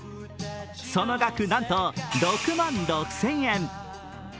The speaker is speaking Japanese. その額、なんと６万６０００円。